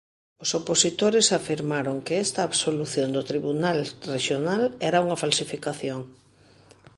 Os opositores afirmaron que esta absolución do Tribunal Rexional era unha falsificación.